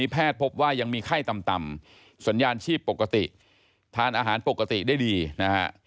แพทย์พบว่ายังมีไข้ต่ำสัญญาณชีพปกติทานอาหารปกติได้ดีนะฮะ